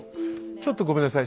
ちょっとごめんなさい